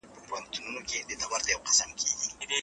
د دلارام ولسوالي د جنوب لوېدیځ زون یوه رڼه سترګه ده